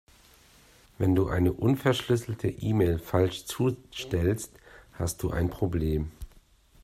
Wenn du eine unverschlüsselte E-Mail falsch zustellst, hast du ein Problem.